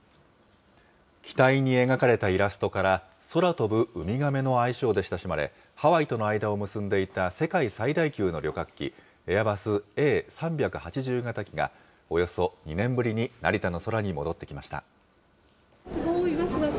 機体に描かれたイラストから、空飛ぶウミガメの愛称で親しまれ、ハワイとの間を結んでいた世界最大級の旅客機、エアバスＡ３８０型機が、およそ２年ぶりに成田の空に戻ってきました。